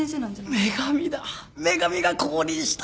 女神だ女神が降臨した！